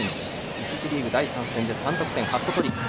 １次リーグ、第３戦でハットトリック。